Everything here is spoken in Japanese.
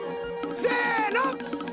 せの！